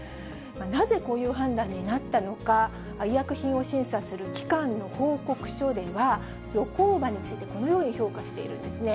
なぜこういう判断になったのか、医薬品を審査する機関の報告書では、ゾコーバについてこのように評価しているんですね。